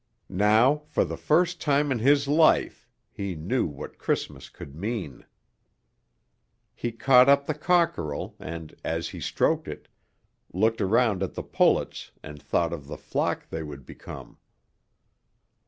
Now for the first time in his life he knew what Christmas could mean. He caught up the cockerel and, as he stroked it, looked around at the pullets and thought of the flock they would become.